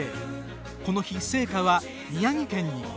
この日、聖火は宮城県に。